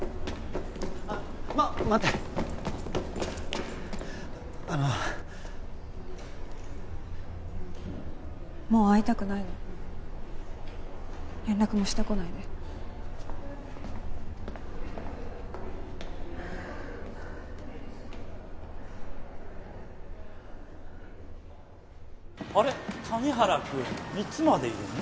待ってあのもう会いたくないの連絡もしてこないであれ谷原君いつまでいるの？